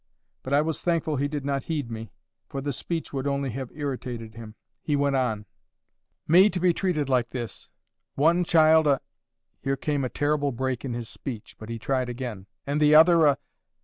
But I was thankful he did not heed me, for the speech would only have irritated him. He went on. "Me to be treated like this! One child a ..." Here came a terrible break in his speech. But he tried again. "And the other a